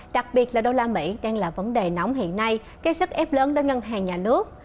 đặc biệt là đô la mỹ đang là vấn đề nóng hiện nay gây sức ép lớn đối ngân hàng nhà nước